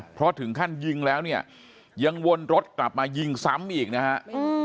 เพราะถึงขั้นยิงแล้วเนี่ยยังวนรถกลับมายิงซ้ำอีกนะฮะ